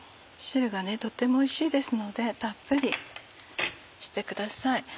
汁がとってもおいしいですのでたっぷりしてください。